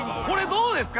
どうですか？